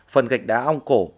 phần gạch đá ong cổ